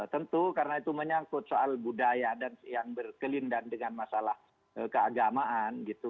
tentu karena itu menyangkut soal budaya dan yang berkelindahan dengan masalah keagamaan gitu